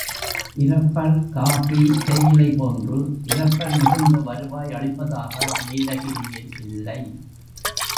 இரப்பர் coffee, தேயிலை போன்று rubber மிகுந்த வருவாய் அளிப்பதாக நீலகிரியில் இல்லை.